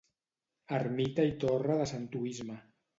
Ermita i torre de Sant Oïsme